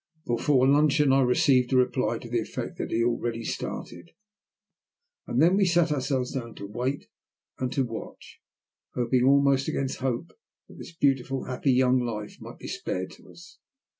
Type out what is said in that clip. Before luncheon I received a reply to the effect that he had already started. Then we sat ourselves down to wait and to watch, hoping almost against hope that this beautiful, happy young life might be spared to us.